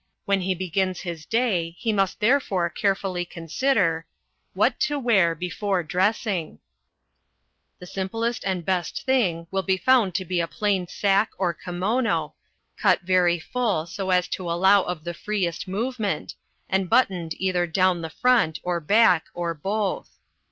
When he begins his day he must therefore carefully consider WHAT TO WEAR BEFORE DRESSING The simplest and best thing will be found to be a plain sacque or kimono, cut very full so as to allow of the freest movement, and buttoned either down the front or back or both.